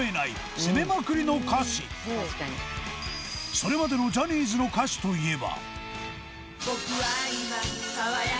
それまでのジャニーズの歌詞といえば。